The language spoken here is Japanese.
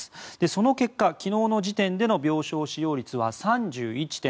その結果、昨日の時点での病床使用率は３１．７％。